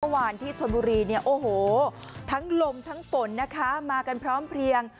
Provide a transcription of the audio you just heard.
เมื่อวานที่ชนบุรีทั้งลมทั้งฝนมากันพร้อมเพลียง